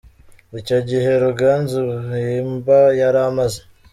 Icyo gihe, Ruganzu Bwimba yari amaze